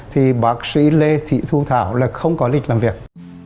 thì bác sĩ lê thị thu thảo là không có lịch làm việc